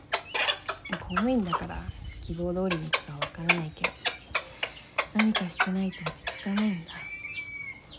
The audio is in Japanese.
公務員だから希望どおりにいくかわからないけど何かしてないと落ち着かないんだ。